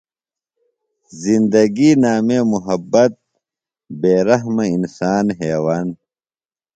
زندگیۡ نامے محبت بے رحمہ انسان حیون۔